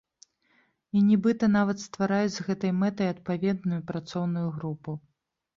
І нібыта нават ствараюць з гэтай мэтай адпаведную працоўную групу.